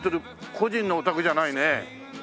個人のお宅じゃないね。